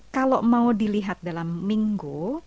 kalau mau dilihat dalam minggu